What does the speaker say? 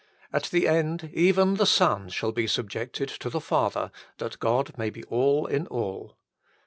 At the end, even the Son shall be subjected to the Father, that God may be all in all.